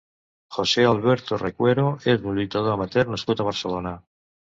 José Alberto Recuero és un lluitador amateur nascut a Barcelona.